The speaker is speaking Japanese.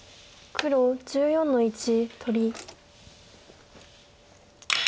黒１４の一取り。